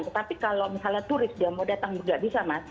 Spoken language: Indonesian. tetapi kalau misalnya turis dia mau datang nggak bisa mas